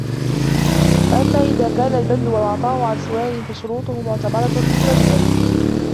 فَأَمَّا إذَا كَانَ الْبَذْلُ وَالْعَطَاءُ عَنْ سُؤَالٍ فَشُرُوطُهُ مُعْتَبَرَةٌ مِنْ وَجْهَيْنِ